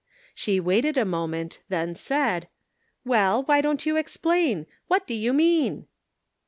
She waited a moment, then said :" Well, why don't you explain ? What do you mean?"